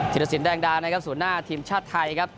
ทิศสินแดงดาสู่หน้าทีมชาติไทยครับ